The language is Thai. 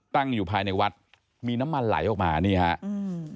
ตั้งอยู่ภายในวัดมีน้ำมันไหลออกมานี่ฮะอืม